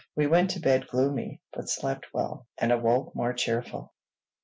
We went to bed gloomy, but slept well, and awoke more cheerful.